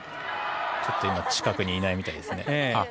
ちょっと今、近くにいないみたいですね。